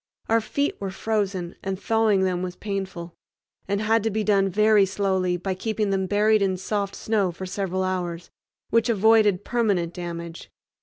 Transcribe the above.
Our feet were frozen, and thawing them was painful, and had to be done very slowly by keeping them buried in soft snow for several hours, which avoided permanent damage.